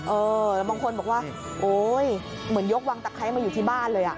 เออบางคนบอกว่าโอ๊ยเหมือนยกวังตะไคร้มาอยู่ที่บ้านเลย